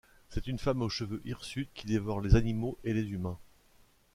C’est une femme aux cheveux hirsutes qui dévore les animaux et les humains.